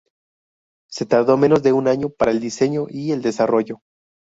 Se tardó menos de un año para el diseño y el desarrollo.